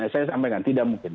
saya sampaikan tidak mungkin